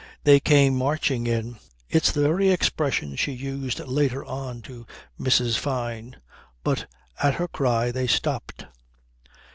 They came marching in (it's the very expression she used later on to Mrs. Fyne) but at her cry they stopped.